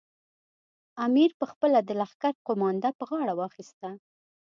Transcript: امیر پخپله د لښکر قومانده پر غاړه واخیستله.